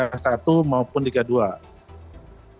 karena itu kita harus mengambil kesepakatan